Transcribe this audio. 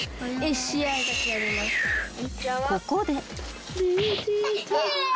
［ここで］